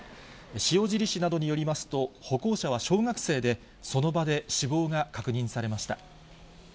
塩尻市などによりますと、歩行者は小学生で、その場で死亡が確認されました。